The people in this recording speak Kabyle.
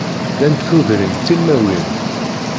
Llant tudrin ttilmawin.